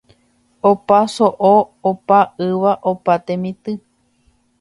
Opa so'o, opa yva, opa temitỹ.